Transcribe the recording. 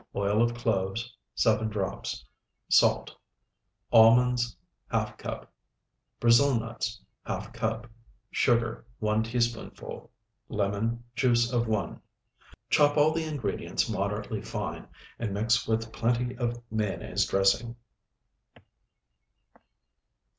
Oil of cloves, 7 drops. Salt. Almonds, ½ cup. Brazil nuts, ½ cup. Sugar, 1 teaspoonful. Lemon, juice of 1. Chop all the ingredients moderately fine, and mix well with plenty of mayonnaise dressing.